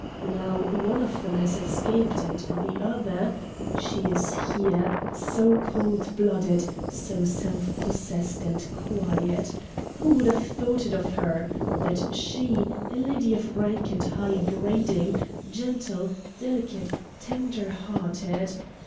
Now one of them has escaped, and the other she is here, so cold blooded, so self possessed and quiet who would have thought it of her? That she, a lady of rank and high breeding, gentle, delicate, tender hearted.